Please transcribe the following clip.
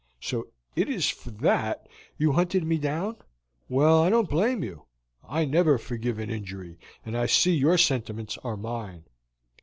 So it is for that you hunted me down? Well, I don't blame you; I never forgive an injury, and I see your sentiments are mine.